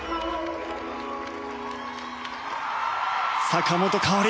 坂本花織